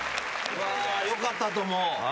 よかったと思う！